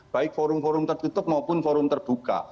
baik forum forum tertutup maupun forum terbuka